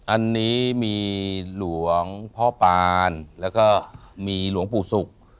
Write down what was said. อันนี้มีหลวงพ่อปานแล้วก็มีหลวงปู่ศุกร์